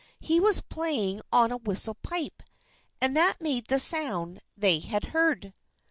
He was playing on a whistle pipe, and that made the sound they had heard.